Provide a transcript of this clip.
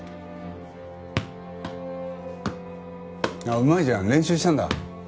あっうまいじゃん練習したんだ？